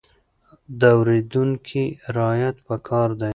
د اورېدونکي رعايت پکار دی.